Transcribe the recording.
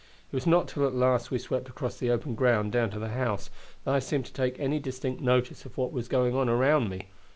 It was not till at last we swept across the open ground down to the house, that I seemed to take any distinct notice of what was going on around me.